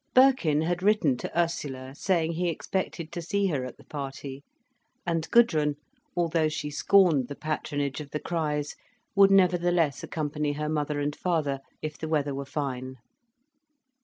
Birkin had written to Ursula saying he expected to see her at the party, and Gudrun, although she scorned the patronage of the Criches, would nevertheless accompany her mother and father if the weather were fine.